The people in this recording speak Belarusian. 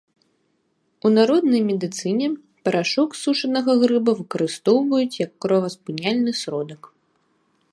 У народнай медыцыне парашок з сушанага грыба выкарыстоўваюць як кроваспыняльны сродак.